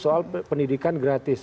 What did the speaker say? soal pendidikan gratis